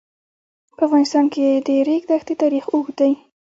په افغانستان کې د د ریګ دښتې تاریخ اوږد دی.